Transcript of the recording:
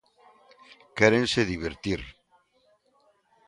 Quérense divertir.